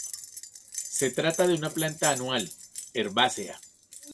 Se trata de una planta anual, herbácea.